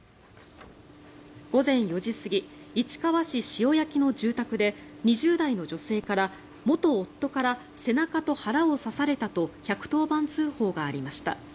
午前４時過ぎ市川市塩焼の住宅で２０代の女性から元夫から背中と腹を刺されたと１１０番通報がありました。